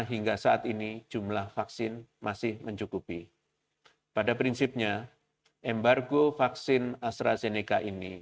hingga saat ini jumlah vaksin masih mencukupi pada prinsipnya embargo vaksin astrazeneca ini